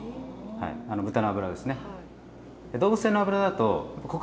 豚の脂ですね。